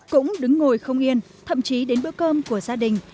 cũng đứng ngồi không yên thậm chí đến bữa cơm của gia đình